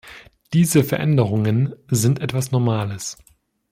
Diese Veränderungen sind etwas Normales.